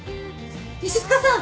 石塚さん！